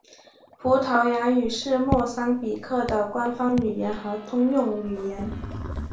葡萄牙语是莫桑比克的官方语言和通用语言。